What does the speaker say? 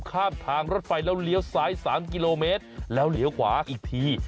ข้ามทางรถไฟแล้วเลี้ยวซ้าย๓กิโลเมตรแล้วเหลียวขวาอีกที